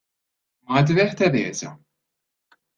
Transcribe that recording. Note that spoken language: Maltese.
" Madre Tereża "